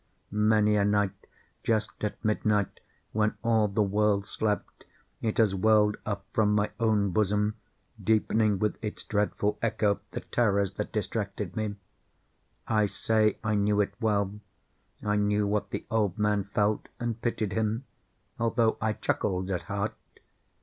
Many a night, just at midnight, when all the world slept, it has welled up from my own bosom, deepening, with its dreadful echo, the terrors that distracted me. I say I knew it well. I knew what the old man felt, and pitied him, although I chuckled at heart.